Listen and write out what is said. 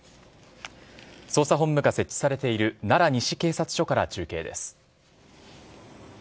捜査本部が設置されている奈良西警察署から中継です。